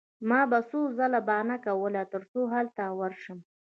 ما به څو ځله بهانه کوله ترڅو هلته ورشم